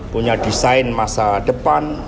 punya desain masa depan